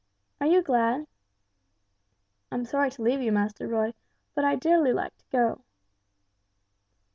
Are you glad?" "I'm sorry to leave you, Master Roy, but I'd dearly like to go."